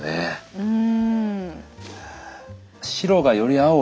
うん。